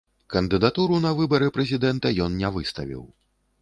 Кандыдатуру на выбары прэзідэнта ён не выставіў.